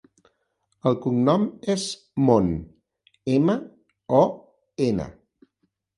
El cognom és Mon: ema, o, ena.